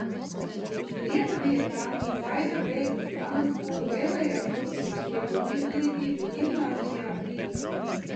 Lieta bija tā, ka Zaiga beigusi pamatskolu, vēlējās turpināt izglītību ģimnāzijā – Rīgā.